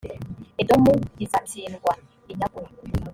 edomu izatsindwa, inyagwe.